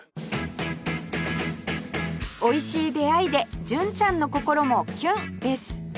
美味しい出会いで純ちゃんの心もキュンです